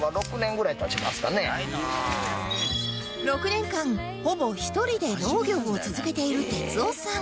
６年間ほぼ１人で農業を続けている哲夫さん